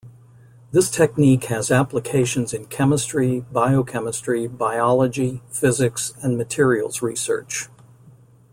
This technique has applications in chemistry, biochemistry, biology, physics and materials research.